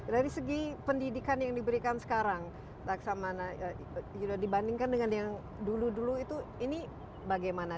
dari segi pendidikan yang diberikan sekarang laksamana dibandingkan dengan yang dulu dulu itu ini bagaimana